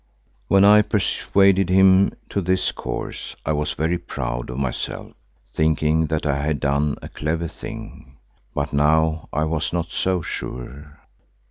When I persuaded him to this course I was very proud of myself, thinking that I had done a clever thing, but now I was not so sure.